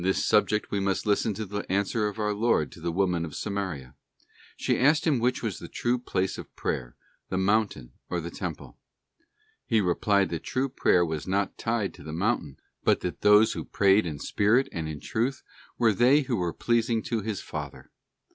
BOOK subject we must listen to the answer of our Lord to the Workipor' Woman of Samaria. She asked Him which was the true place ositual" ~Of prayer, the mountain or the temple. He replied that true prayer was not tied to the mountain, but that those who prayed in spirit and in truth were they who were pleasing to His Father.